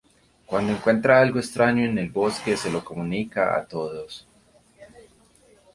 Cuando encuentra algo extraño en el bosque se lo comunica a todos.